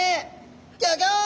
ギョギョ！